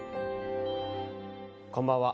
こんばんは。